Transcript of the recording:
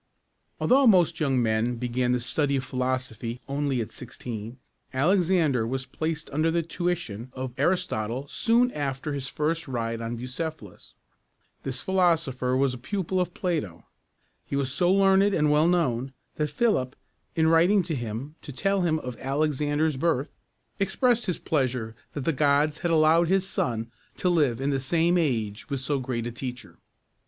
Although most young men began the study of philosophy only at sixteen, Alexander was placed under the tuition of Ar´is totle soon after his first ride on Bucephalus. This philosopher was a pupil of Plato. He was so learned and well known, that Philip, in writing to him to tell him of Alexander's birth, expressed his pleasure that the gods had allowed his son to live in the same age with so great a teacher.